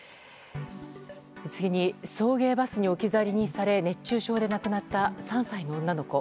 次に、送迎バスに置き去りにされ熱中症で亡くなった３歳の女の子。